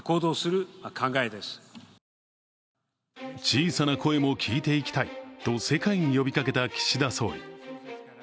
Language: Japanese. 小さな声も聞いていきたいと世界に呼びかけた岸田総理。